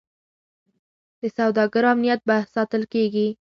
د سوداګرو امنیت به ساتل کیږي.